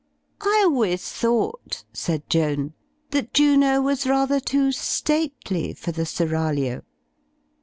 "I always thought," said Joan, "that Juno was rather too stately for the seraglio."